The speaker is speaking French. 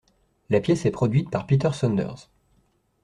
La pièce est produite par Peter Saunders.